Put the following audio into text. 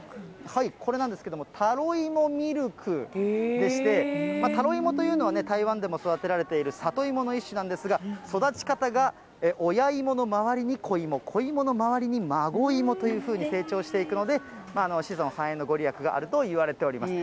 これなんですけど、タロイモミルクでして、タロイモというのは、台湾でも育てられている里芋の一種なんですが、育ち方が、親芋の周りに子芋、子芋の周りに孫芋というふうに成長していくので、子孫繁栄の御利益があるといわれております。